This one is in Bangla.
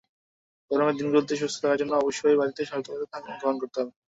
গরমের দিনগুলোতে সুস্থ থাকার জন্য অবশ্যই বাড়তি সতর্কতা গ্রহণ করতে হবে।